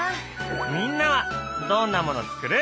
みんなはどんなもの作る？